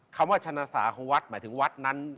คำว่าชนะสาของวัดหมายถึงวัดนั้น